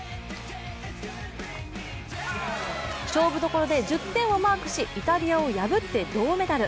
勝負所で１０点をマークしイタリアを破って銅メダル。